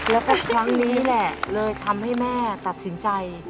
แล้วก็ครั้งนี้แหละเลยทำให้แม่ตัดสินใจ